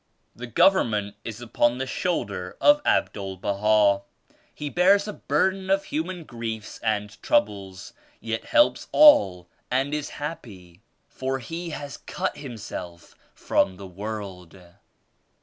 The "Government is upon the shoulder" of Abdul Baha. He bears a burden of humah griefs and troubles, yet helps all and is happy; for he has cut himself from the world.